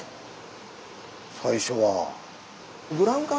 最初は。